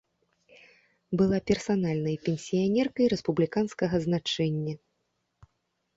Была персанальнай пенсіянеркай рэспубліканскага значэння.